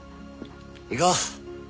行こう！